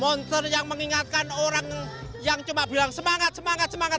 monster yang mengingatkan orang yang cuma bilang semangat semangat